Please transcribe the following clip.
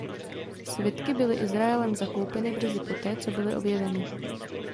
Svitky byly Izraelem zakoupeny brzy poté co byly objeveny.